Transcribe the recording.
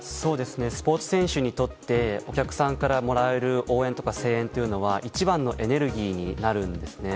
スポーツ選手にとってお客さんからもらえる応援とか声援というのは一番のエネルギーになるんですね。